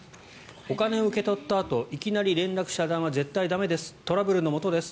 お金を受け取ったあといきなり連絡遮断は絶対駄目ですトラブルのもとです。